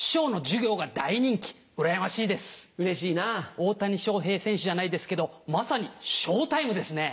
大谷翔平選手じゃないですけどまさにショウタイムですね。